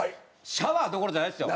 シャワーどころじゃないですよ。